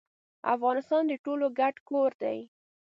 افغانستان د ټولو ګډ کور دي.